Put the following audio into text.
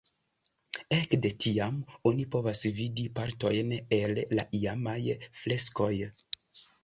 Ekde tiam oni povas vidi partojn el la iamaj freskoj.